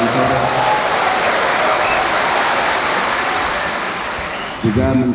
menteri agama sekaligus sebagai ketua dewan penasehat